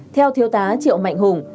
theo thiếu tá triệu mạnh hùng